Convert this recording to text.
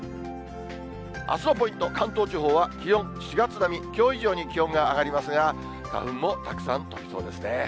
あすのポイント、関東地方は気温４月並み、きょう以上に気温が上がりますが、花粉もたくさん飛びそうですね。